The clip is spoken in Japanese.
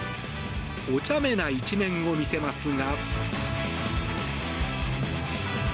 おちゃめな一面を見せますが。